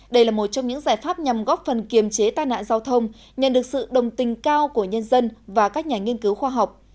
đây là một trong những giải pháp nhằm góp phần kiềm chế tai nạn giao thông nhận được sự đồng tình cao của nhân dân và các nhà nghiên cứu khoa học